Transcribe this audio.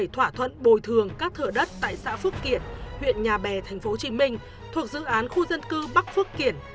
một trăm bốn mươi bảy thỏa thuận bồi thường các thửa đất tại xã phước kiển huyện nhà bè tp hcm thuộc dự án khu dân cư bắc phước kiển